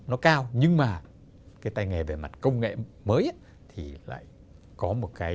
nó cao nhưng mà cái tay nghề về mặt công nghệ mới thì lại có một cái